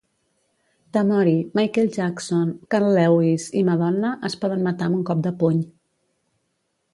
Tamori, Michael Jackson, Carl Lewis i Madonna es poden matar amb un cop de puny.